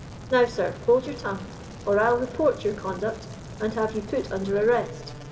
Now, sir, hold your tongue, or I'll report your conduct, and have you put under arrest."